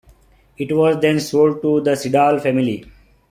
It was then sold to the Siddall family.